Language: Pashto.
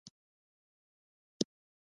سفر خرڅ راکړ.